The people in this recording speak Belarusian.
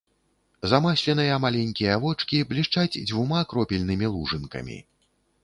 Замасленыя маленькія вочкі блішчаць дзвюма кропельнымі лужынкамі.